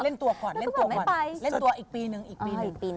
เล่นตัวขวดเล่นตัวขวดเล่นตัวอีกปีหนึ่งแล้วก็ไม่ไป